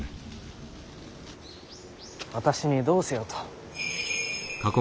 私にどうせよと。